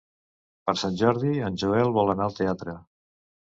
Per Sant Jordi en Joel vol anar al teatre.